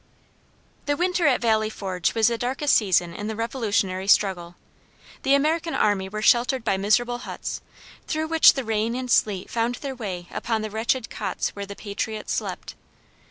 The winter at Valley Forge was the darkest season in the Revolutionary struggle. The American army were sheltered by miserable huts, through which the rain and sleet found their way upon the wretched cots where the patriots slept.